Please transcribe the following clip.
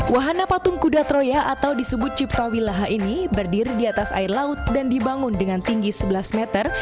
wahana patung kuda troya atau disebut ciptawilaha ini berdiri di atas air laut dan dibangun dengan tinggi sebelas meter